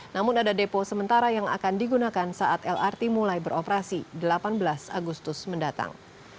namun ada depo sementara yang akan digunakan saat lrt mulai beroperasi delapan belas agustus mendatang